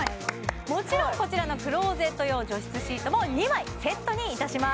もちろんこちらのクローゼット用除湿シートも２枚セットにいたします